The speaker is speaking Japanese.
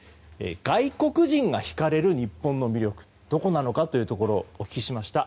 外国人がひかれる日本の魅力はどこなのかということをお聞きしました。